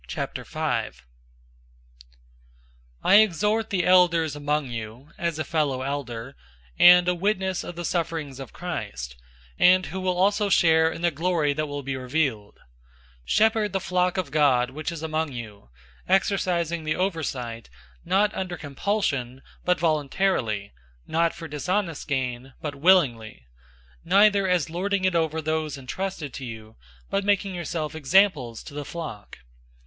005:001 I exhort the elders among you, as a fellow elder, and a witness of the sufferings of Christ, and who will also share in the glory that will be revealed. 005:002 Shepherd the flock of God which is among you, exercising the oversight, not under compulsion, but voluntarily, not for dishonest gain, but willingly; 005:003 neither as lording it over the charge allotted to you, but making yourselves examples to the flock.